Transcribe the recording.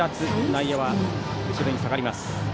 内野は後ろに下がります。